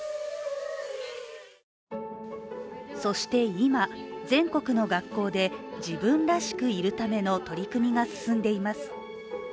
そして今、全国の学校で自分らしくいるための取り組みが進んでいます。